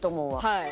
はい。